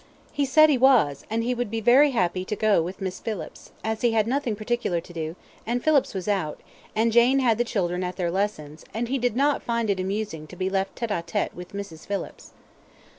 He said he was, and he would be very happy to go with Miss Phillips as he had nothing particular to do, and Phillips was out, and Jane had the children at their lessons, and he did not find it amusing to be left TETE A TETE with Mrs. Phillips.